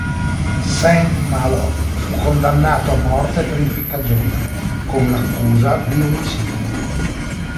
Saint Malo fu condannato a morte per impiccagione, con l'accusa di omicidio.